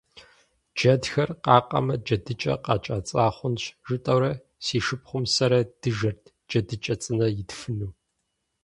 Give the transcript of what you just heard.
Джэдхэр къакъэмэ, «джэдыкӏэ къакӏэцӏа хъунщ» жытӏэурэ, си шыпхъум сэрэ дыжэрт джэдыкӏэ цӏынэ итфыну.